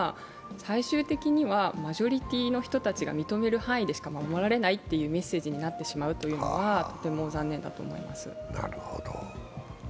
最終的にはマジョリティーの人たちが認める範囲でしか守れないというメッセージになってしまうのは、とても残念だと思います。